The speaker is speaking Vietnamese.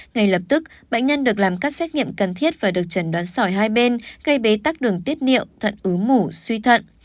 ngay lập tức bệnh nhân được làm các xét nghiệm cần thiết và được chẩn đoán sỏi hai bên gây bế tắc đường tiết niệu thận ứ mủ suy thận